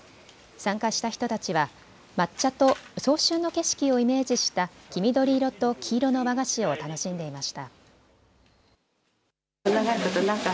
参加した人たちは抹茶と早春の景色をイメージした黄緑色と黄色の和菓子を楽しんでいました。